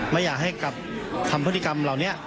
ไม่อยากให้กลับคำพฤติกรรมเหล่านี้